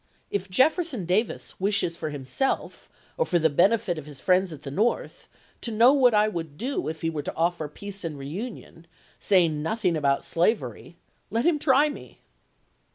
If Jefferson Davis wishes for himself, or for the benefit of his friends at the North, to know what I would do if ¥S58£& he were to offer peace and reunion, saying nothing lsel!6' ms. about slavery, let him try me."